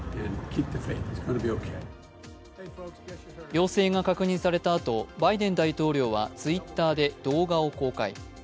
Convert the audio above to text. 陽性が確認されたあとバイデン大統領はＴｗｉｔｔｅｒで動画を公開。